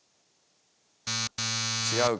違うか。